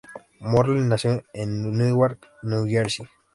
Morley nació en Newark, New Jersey.